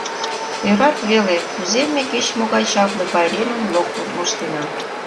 Ӧрат веле, кузе ме кеч-могай чапле пайремым локтыл моштена...